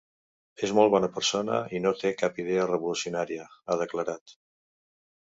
És molt bona persona i no té cap idea revolucionària, ha declarat.